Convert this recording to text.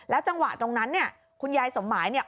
จังหวะตรงนั้นเนี่ยคุณยายสมหมายเนี่ย